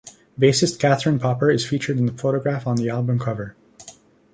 Bassist Catherine Popper is featured in the photograph on the album cover.